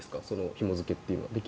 ひも付けというのは。